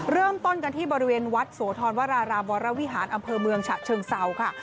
เริ่มต้นกันที่บริเวณวัดโสธรวรารามวรวิหารอำเภอเมืองฉะเชิงเซาค่ะ